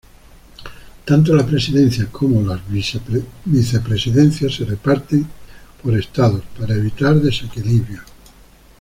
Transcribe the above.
Tanto la presidencia como las vicepresidencias se reparten por estados para evitar desequilibrios.